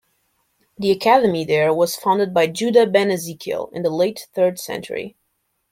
The academy there was founded by Judah ben Ezekiel in the late third century.